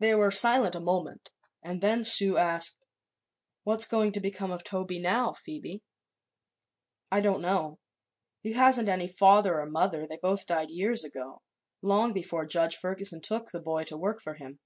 They were silent a moment and then Sue asked: "What's going to become of Toby now, Phoebe?" "I don't know. He hasn't any father or mother; they both died years ago, long before Judge Ferguson took the boy to work for him.